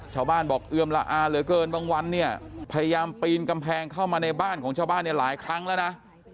ชาวบ้านบอกเอือมละอาเหลือเกินบางวันเนี่ยพยายามปีนกำแพงเข้ามาในบ้านของชาวบ้านเนี่ยหลายครั้งแล้วนะ